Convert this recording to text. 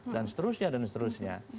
dan seterusnya dan seterusnya